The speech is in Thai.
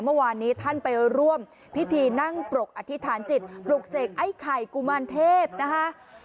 เมื่อวานนี้ท่านไปร่วมพิธีนั่งปรกอธิษฐานจิตปลุกเสกไอ้ไข่กุมารเทพนะคะ